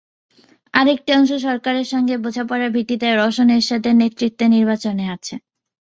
আরেকটি অংশ সরকারের সঙ্গে বোঝাপড়ার ভিত্তিতে রওশন এরশাদের নেতৃত্বে নির্বাচনে আছে।